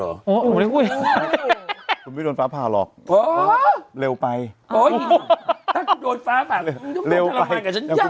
เอ้าเห้ยไม่ได้โดนฟ้าผ่าหรอกโอ้เร็วไปเธอกูโดนฟ้าผ่ามเหมือนต้องโทรมานกับชั้นยัง